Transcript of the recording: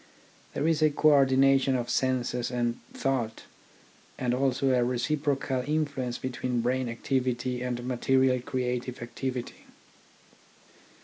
There is a co ordination of senses and thought, and also a reciprocal influ ence between brain activity and material creative activity.